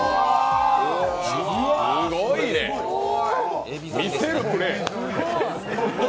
すごいね、見せるプレー。